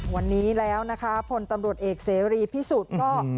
วันนี้แล้วนะคะพลตำรวจเอกเสรีพิสุทธิ์ก็